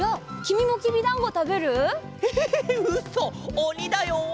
おにだよ？